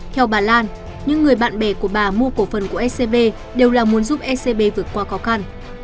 theo bà lan những người bạn bè của bà mua cổ phần của scb đều là muốn giúp scb vượt qua khó khăn